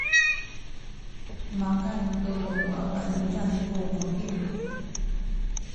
makan tu nu wawa niza ku buting.